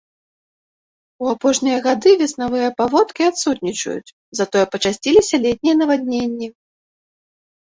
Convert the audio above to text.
У апошнія гады веснавыя паводкі адсутнічаюць, затое пачасціліся летнія навадненні.